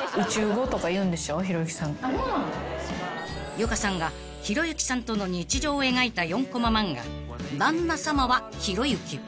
［ゆかさんがひろゆきさんとの日常を描いた４こま漫画『だんな様はひろゆき』］